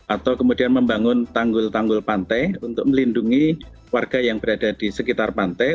atau kemudian membangun tanggul tanggul pantai untuk melindungi warga yang berada di sekitar pantai